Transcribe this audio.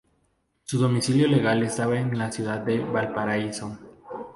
Su domicilio legal estaba en la ciudad de Valparaíso.